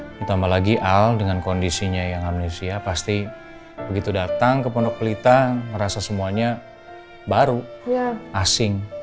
ditambah lagi al dengan kondisinya yang amnesia pasti begitu datang ke pondok pelita merasa semuanya baru asing